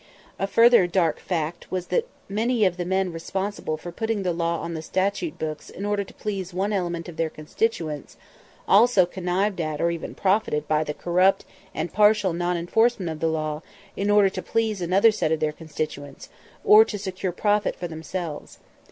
A further very dark fact was that many of the men responsible for putting the law on the statute books in order to please one element of their constituents, also connived at or even profited by the corrupt and partial non enforcement of the law in order to please another set of their constituents, or to secure profit for themselves.